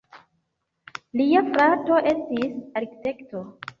Lia frato estis arkitekto.